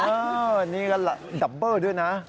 เออนี่ก็ดับเบอร์ด้วยนะ